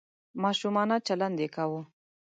ماشومانه چلند یې کاوه .